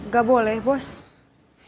gak boleh bos